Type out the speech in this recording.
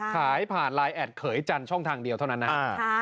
ขายผ่านไลน์แอดเขยจันทร์ช่องทางเดียวเท่านั้นนะ